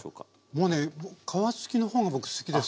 もうね皮付きの方が僕好きです。